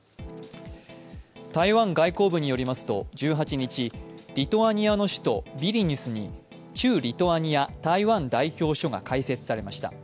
台湾外交部によりますと１８日、リトアニアの首都ビリニュスに駐リトアニア台湾代表処が開設されました。